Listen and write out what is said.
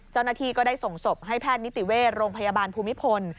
เจ้าหน้าที่ก็ได้ส่งศพให้แพทย์นิติเวชโรงพยาบาลภูมิพล